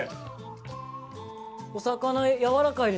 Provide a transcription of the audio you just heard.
お魚やわらかいです